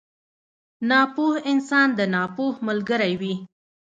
ناپوه انسان د ناپوه ملګری وي.